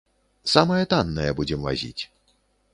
Самае таннае будзем вазіць.